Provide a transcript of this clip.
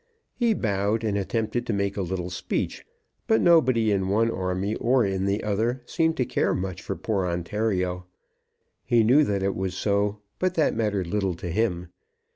He bowed and attempted to make a little speech; but nobody in one army or in the other seemed to care much for poor Ontario. He knew that it was so, but that mattered little to him.